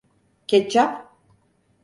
Ketçap?